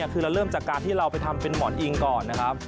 คือเราเริ่มจากการที่เราไปทำเป็นหมอนอิงก่อนนะครับ